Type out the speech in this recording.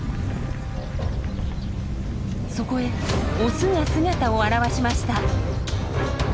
そこへオスが姿を現しました。